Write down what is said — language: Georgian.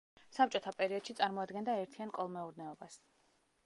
საბჭოთა პერიოდში წარმოადგენდა ერთიან კოლმეურნეობას.